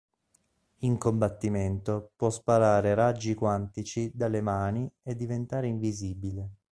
In combattimento può sparare raggi quantici dalle mani e diventare invisibile.